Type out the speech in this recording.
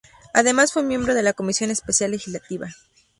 Además fue miembro de la Comisión Especial Legislativa.